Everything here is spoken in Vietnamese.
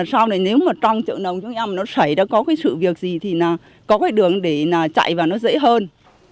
sau này nếu mà trong chợ nồng chúng em nó xảy ra có cái sự việc gì thì là có cái đường để là chạy vào nó dễ hơn